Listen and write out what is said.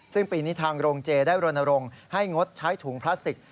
ซึ่งปีนี้ทางโรงเจได้รณรงค์ให้งดใช้ถุงพลาสติก